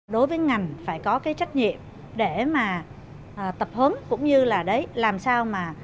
đối với ngành phải có trách nhiệm để tập hứng cũng như là làm sao